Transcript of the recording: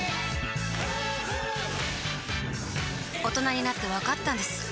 大人になってわかったんです